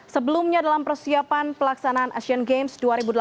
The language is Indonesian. sebelumnya dalam persiapan pelaksanaan asian games dua ribu delapan belas